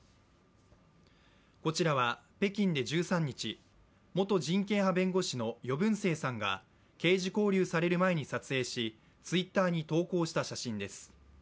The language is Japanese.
こちらは北京で１３日、元人権派弁護士の余文生さんが刑事拘留される前に撮影し、Ｔｗｉｔｔｅｒに投稿した写真です。